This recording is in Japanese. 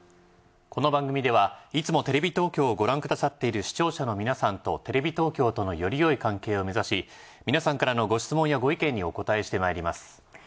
この番組ではいつもテレビ東京をご覧くださっている視聴者の皆さんとテレビ東京とのよりよい関係を目指し皆さんからのご質問やご意見にお答えしてまいります。